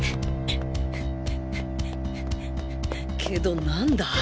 けど何だ？